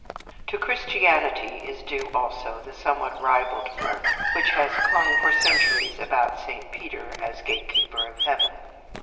To Christianity is due also the somewhat ribald mirth which has clung for centuries about Saint Peter as gatekeeper of Heaven.